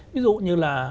ví dụ như là